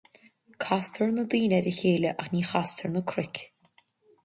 Castar na daoine ar a chéile, ach ní chastar na cnoic